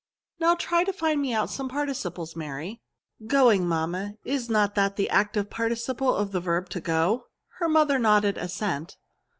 Now try to find me out some parti ciples, Mary." '' Going^ mamma, is not that the active participle of the verb to go ?" Her mother nodded assent.